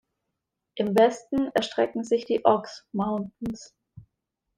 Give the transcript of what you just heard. Im Westen erstrecken sich die Ox Mountains.